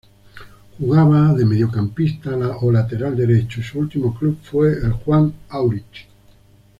Jugaba de mediocampista o lateral derecho y su último club fue el Juan Aurich.